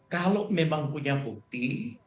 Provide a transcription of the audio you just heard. kalau memang punya bukti